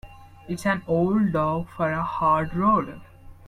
It's an old dog for a hard road.